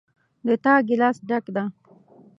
د تا ګلاس ډک ده